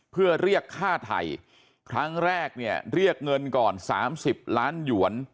เพื่อเรียกค่าไทยครั้งแรกเนี่ยเรียกเงินก่อน๓๐ล้านหยวน